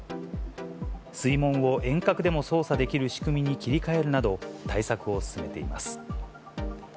水門を遠隔でも操作できる仕組みに切り替えるなど、対策を進めています。